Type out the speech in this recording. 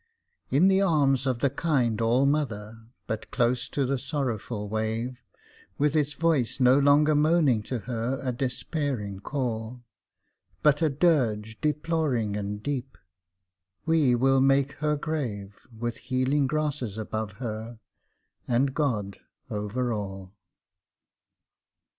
In the arms of the kind all mother, but close to the sorrowful wave, With its voice no longer moaning to her a despairing call, But a dirge deploring and deep; we will make her grave, With healing grasses above her, and God over all.